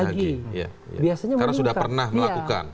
karena sudah pernah melakukan